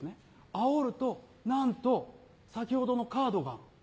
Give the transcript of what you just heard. あおるとなんと先ほどのカードが。